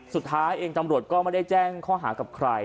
สุดท้ายเองตำรวจก็ไม่ได้แจ้งข้อหากับใคร